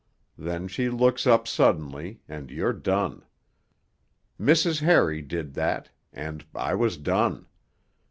Then she looks up suddenly, and you're done. Mrs. Harry did that, and I was done.